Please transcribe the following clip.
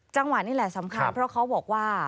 จังหวะนี้แหละสำคัญเพราะเขาบอกว่า